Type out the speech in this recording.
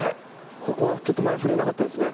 ここはちょっと前触れなかったですね。